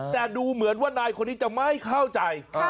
แต่ดูเหมือนว่านายคนนี้จะไม่เข้าใจ